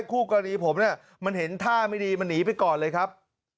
คู่กรณีผมเนี่ยมันเห็นท่าไม่ดีมันหนีไปก่อนเลยครับ